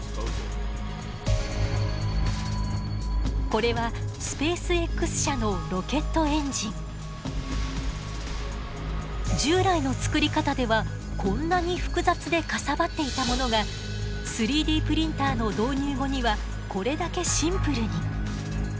これは従来の作り方ではこんなに複雑でかさばっていたものが３Ｄプリンターの導入後にはこれだけシンプルに。